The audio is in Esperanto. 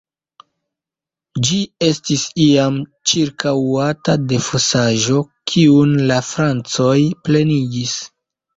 Ĝi estis iam ĉirkaŭata de fosaĵo, kiun la francoj plenigis.